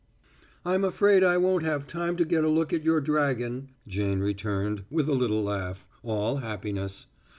"I'm afraid I won't have time to get a look at your dragon," Jane returned, with a little laugh, all happiness.